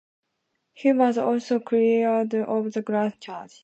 He was also cleared of the drug charge.